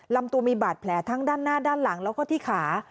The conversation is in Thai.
ลำตัวมีบาดแผลทั้งด้านหน้าด้านหลังแล้วก็ที่ขา